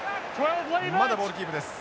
まだボールキープです。